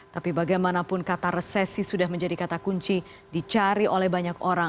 tapi bagaimanapun kata resesi sudah menjadi kata kunci dicari oleh banyak orang